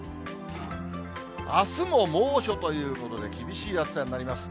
あすも猛暑ということで、厳しい暑さになります。